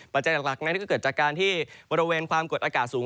หลักนั้นก็เกิดจากการที่บริเวณความกดอากาศสูง